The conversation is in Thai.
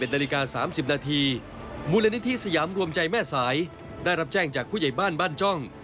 นาฬิกา๓๐นาทีมูลนิธิสยามรวมใจแม่สายได้รับแจ้งจากผู้ใหญ่บ้านบ้านจ้อง